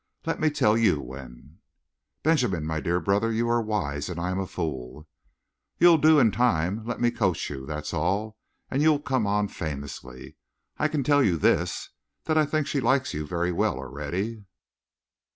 Let me tell you when!" "Benjamin, my dear brother, you are wise and I am a fool!" "You'll do in time. Let me coach you, that's all, and you'll come on famously. I can tell you this: that I think she likes you very well already."